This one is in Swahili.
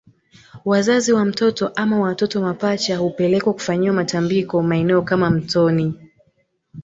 Wazazi wa mtoto ama watoto mapacha hupelekwa kufanyiwa matambiko maeneo kama mtoni